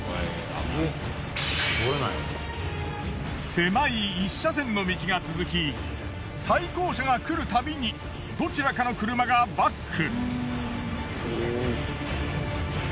狭い一車線の道が続き対向車が来るたびにどちらかの車がバック。